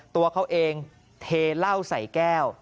ตัวเขาเองเทเหล้าใส่แก้ว